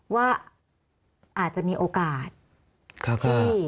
ว่าอาจจะมีโอกาสที่